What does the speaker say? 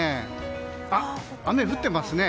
雨、降ってますね。